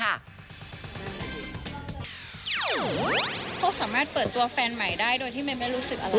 เขาสามารถเปิดตัวแฟนใหม่ได้โดยที่เมย์ไม่รู้สึกอะไร